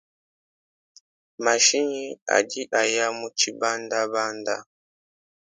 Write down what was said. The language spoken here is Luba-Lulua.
Mashinyi adi aya mu tshibandabanda.